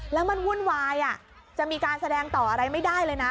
แล้วมันวุ่นวายจะมีการแสดงต่ออะไรไม่ได้เลยนะ